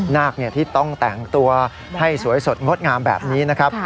นาคที่ต้องแต่งตัวให้สวยสดงดงามแบบนี้นะครับ